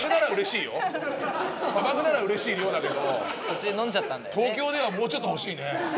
砂漠ならうれしい量だけど東京ではもうちょっと欲しいね